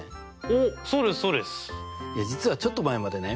実はちょっと前までね